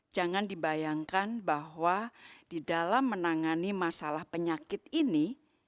jangan dibayangkan bahwa di dalam menangani masalah penyakit ini